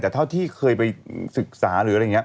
แต่เท่าที่เคยไปศึกษา